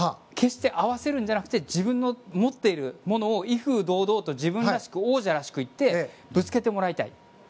決して合わせるんじゃなくて自分の持っているものを威風堂々と自分らしく王者らしくいってぶつけてもらいたい。